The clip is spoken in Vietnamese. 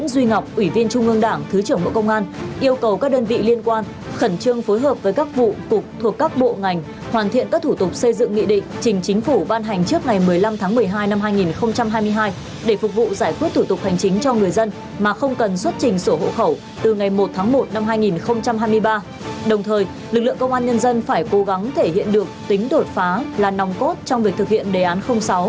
đồng thời lực lượng công an nhân dân phải cố gắng thể hiện được tính đột phá là nòng cốt trong việc thực hiện đề án sáu